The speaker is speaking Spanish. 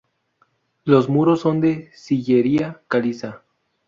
Los muros son de sillería caliza.